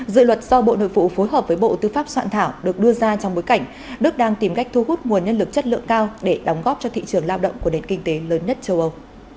dự luật do bộ nội vụ phối hợp với bộ tư pháp soạn thảo được đưa ra trong bối cảnh đức đang tìm cách thu hút nguồn nhân lực chất lượng cao để đóng góp cho thị trường lao động của nền kinh tế lớn nhất châu âu